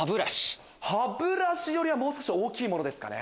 歯ブラシよりはもう少し大きいものですかね。